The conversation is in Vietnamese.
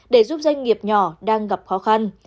để giúp doanh nghiệp nhỏ đang gặp khó khăn